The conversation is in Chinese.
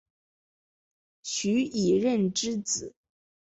徐以任之子。